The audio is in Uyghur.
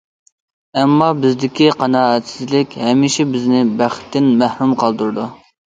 ئەمما بىزدىكى قانائەتسىزلىك ھەمىشە بىزنى بەختتىن مەھرۇم قالدۇرىدۇ.